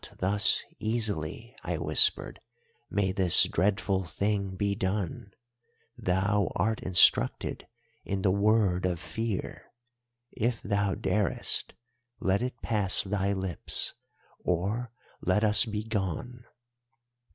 "'Not thus easily,' I whispered, 'may this dreadful thing be done. Thou art instructed in the Word of Fear. If thou darest, let it pass thy lips, or let us be gone.